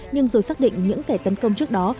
nhưng rồi xác định những kẻ tấn công trước đó